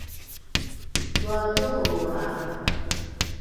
loa toloholrae!